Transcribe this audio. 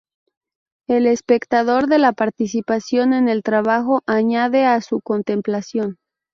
El espectador de la participación en el trabajo añade a su contemplación.